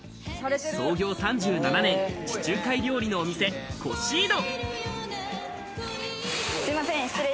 創業３７年、地中海料理のお店、コシード。